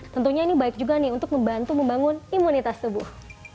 tentunya ini baik juga nih untuk membantu membangun imunitas tubuh